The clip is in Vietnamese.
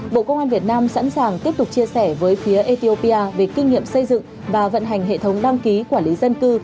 bộ công an việt nam sẵn sàng tiếp tục chia sẻ với phía ethiopia về kinh nghiệm xây dựng và vận hành hệ thống đăng ký quản lý dân cư